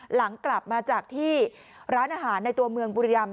หลังกลับมาจากที่ร้านอาหารในตัวเมืองบุรีรำ